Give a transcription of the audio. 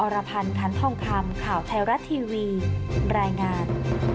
รพันธ์คันทองคำข่าวไทยรัฐทีวีรายงาน